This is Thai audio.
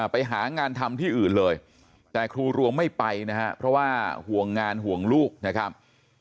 ไปหางานทำที่อื่นเลยแต่ครูรวงไม่ไปนะครับเพราะว่าห่วงงานห่วงลูกนะครับ